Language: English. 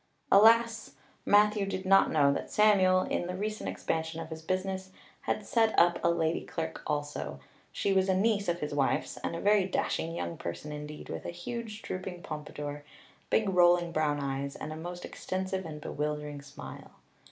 Alas! Matthew did not know that Samuel, in the recent expansion of his business, had set up a lady clerk also; she was a niece of his wife's and a very dashing young person indeed, with a huge, drooping pompadour, big, rolling brown eyes, and a most extensive and bewildering smile.